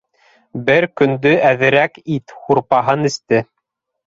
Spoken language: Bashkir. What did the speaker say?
Бер көндө әҙерәк ит һурпаһы эсте.